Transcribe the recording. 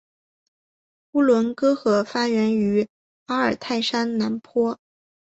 乌伦古河发源于阿尔泰山南坡。